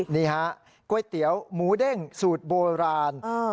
นี่ฮะก๋วยเตี๋ยวหมูเด้งสูตรโบราณ